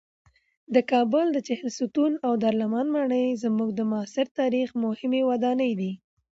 د کابل د چهلستون او دارالامان ماڼۍ زموږ د معاصر تاریخ مهمې ودانۍ دي.